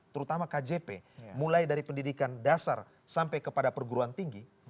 terutama kjp mulai dari pendidikan dasar sampai kepada perguruan tinggi